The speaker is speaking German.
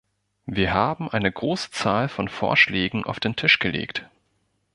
Wir haben eine große Zahl von Vorschlägen auf den Tisch gelegt.